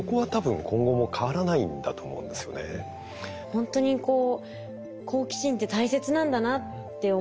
ほんとにこう好奇心って大切なんだなって思います。